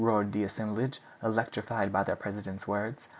roared the assemblage, electrified by their president's words.